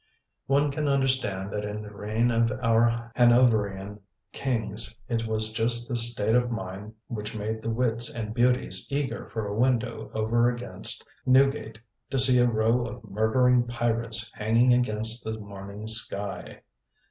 One can understand that in the reign of our Hanoverian kings it was just this state of mind which made the wits and beauties eager for a window over against Newgate to see a row of murdering pirates hanging against the morning sky.